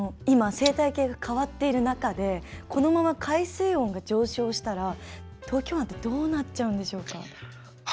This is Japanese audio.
今、生態系が変わっている中でこのまま海水温が上昇したら東京湾ってどうなっちゃうんでしょうか？